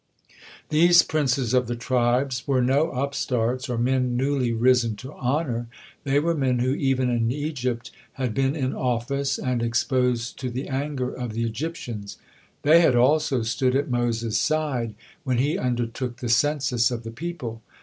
These princes of the tribes were no upstarts or men newly risen to honor, they were men who even in Egypt had been in office and exposed to the anger of the Egyptians; they had also stood at Moses' side when he undertook the census of the people.